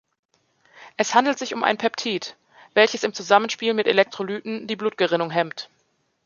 Es handelt sich um ein Peptid, welches im Zusammenspiel mit Elektrolyten die Blutgerinnung hemmt.